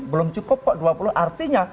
belum cukup kok dua puluh artinya